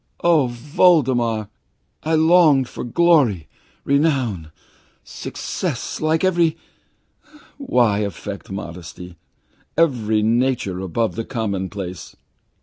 "Oh, Voldemar, I longed for glory, renown, success, like every why affect modesty? every nature above the commonplace.